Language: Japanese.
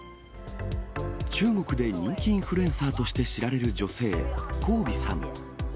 中国で人気インフルエンサーとして知られる女性、黄薇さん。